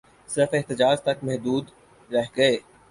صرف احتجاج تک محدود رہ گئے